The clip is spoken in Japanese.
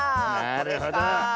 あなるほど。